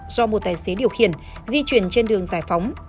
do một tài xế điều khiển di chuyển trên đường giải phóng